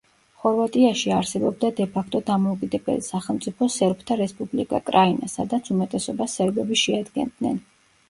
ხორვატიაში არსებობდა დე ფაქტო დამოუკიდებელი სახელმწიფო სერბთა რესპუბლიკა კრაინა სადაც უმეტესობას სერბები შეადგენდნენ.